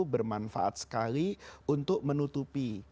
bermanfaat sekali untuk menutupi